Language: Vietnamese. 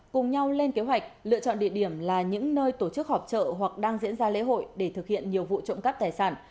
cùng nhau lên kế hoạch lựa chọn địa điểm là những nơi tổ chức họp trợ hoặc đang diễn ra lễ hội để thực hiện nhiều vụ trộm cắp tài sản